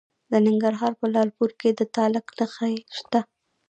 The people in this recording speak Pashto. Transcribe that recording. د ننګرهار په لعل پورې کې د تالک نښې شته.